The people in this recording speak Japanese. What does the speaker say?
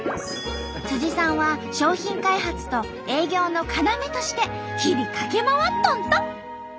さんは商品開発と営業の要として日々駆け回っとんと！